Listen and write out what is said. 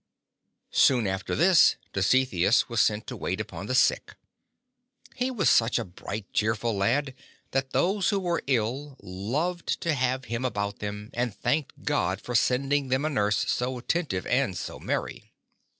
Soon after this, Dositheus was sent to wait upon the sick. He was such a bright, cheerful lad that those who were ill loved to have him about them, and thanked God for sending them a nurse so attentive and so merry.